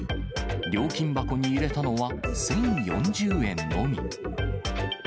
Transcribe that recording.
料金箱に入れたのは１０４０円のみ。